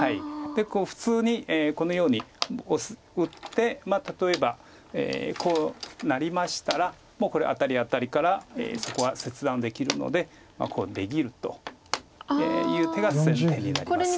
普通にこのようにオシ打って例えばこうなりましたらもうこれアタリアタリからそこは切断できるので出切るという手が先手になります。